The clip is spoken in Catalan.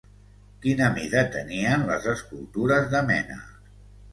Quina mida tenien les escultures de Mena?